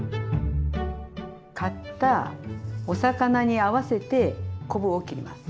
買ったお魚に合わせて昆布を切ります。